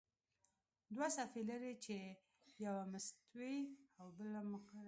دوه صفحې لري چې یوه مستوي او بله مقعره ده.